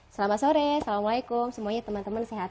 selamat sore assalamualaikum semuanya teman teman sehat